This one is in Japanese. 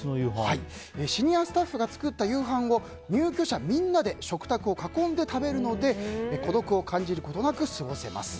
シニアスタッフが作った夕飯を入居者みんなで食卓を囲んで食べるので孤独を感じることなく過ごせます。